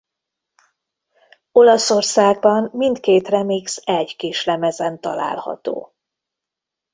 Olaszországban mindkét remix egy kislemezen található.